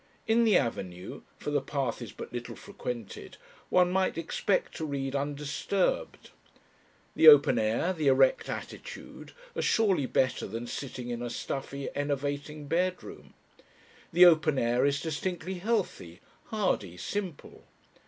In the avenue for the path is but little frequented one might expect to read undisturbed. The open air, the erect attitude, are surely better than sitting in a stuffy, enervating bedroom. The open air is distinctly healthy, hardy, simple....